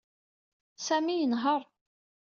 Sami yenheṛ.